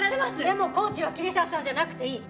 でもコーチは桐沢さんじゃなくていい。